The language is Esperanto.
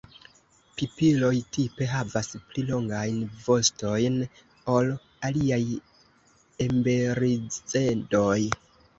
Pipiloj tipe havas pli longajn vostojn ol aliaj emberizedoj.